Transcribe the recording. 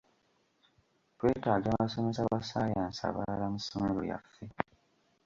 Twetaaga abasomesa ba saayansi abalala mu ssomero lyaffe.